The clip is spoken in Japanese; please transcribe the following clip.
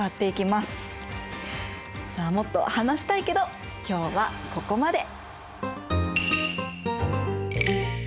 もっと話したいけど今日はここまで。